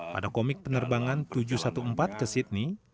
pada komik penerbangan tujuh ratus empat belas ke sydney